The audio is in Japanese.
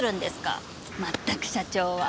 まったく社長は。